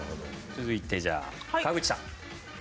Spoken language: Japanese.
続いてじゃあ川口さん。